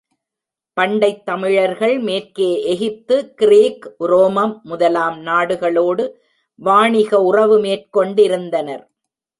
பண்டைத் தமிழர்கள், மேற்கே எகிப்து, கிரீக், உரோம் முதலாம் நாடுகளோடு வாணிக உறவு மேற் கொண்டிருந்தனர்.